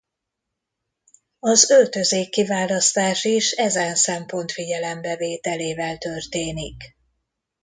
Az öltözék kiválasztás is ezen szempont figyelembe vételével történik.